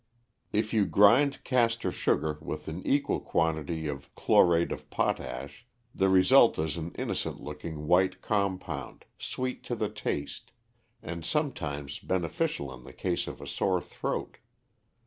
If you grind castor sugar with an equal quantity of chlorate of potash, the result is an innocent looking white compound, sweet to the taste, and sometimes beneficial in the case of a sore throat.